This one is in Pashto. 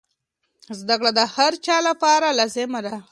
زده کړه د هر چا لپاره لازمي ده.